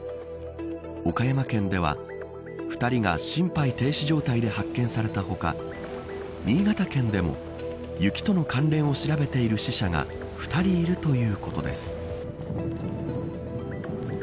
岡山県では２人が心肺停止状態で発見されたほか新潟県でも雪との関連を調べている死者が２人いるということです。